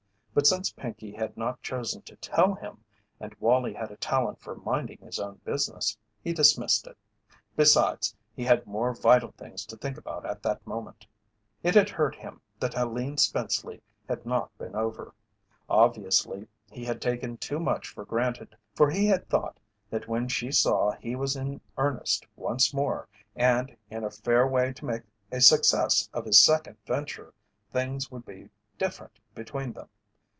But since Pinkey had not chosen to tell him and Wallie had a talent for minding his own business, he dismissed it; besides, he had more vital things to think about at that moment. It had hurt him that Helene Spenceley had not been over. Obviously he had taken too much for granted, for he had thought that when she saw he was in earnest once more and in a fair way to make a success of his second venture, things would be different between them.